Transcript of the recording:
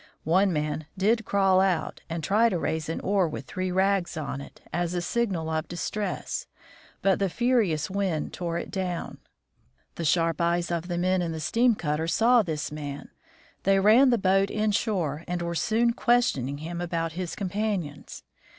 One man did crawl out and 92 THE FROZEN NORTH try to raise an oar with three rags on it, as a signal of distress, but the furious wind tore it down. The sharp eyes of the men in the steam cutter saw this man. They ran the boat inshore and were soon question ing him about his companions.